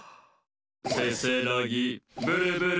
せせらぎブルブル。